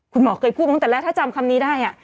คุณหมอเคยพูดมาตั้งแต่แรกถ้าจำคำนี้ได้